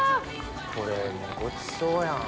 これもうごちそうやん。